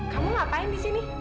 kamu ngapain di sini